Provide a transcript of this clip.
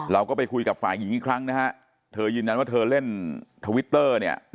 เราก็ไปคุยกับฝ่ายหญิงอีกครั้งนะฮะเธอยืนยันว่าเธอเล่นทวิตเตอร์เนี่ย